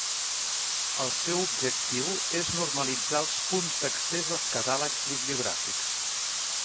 El seu objectiu és normalitzar els punts d'accés als catàlegs bibliogràfics.